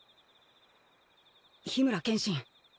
緋村剣心。